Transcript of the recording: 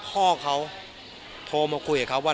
พ่อเขาโทรมาคุยกับเขาว่า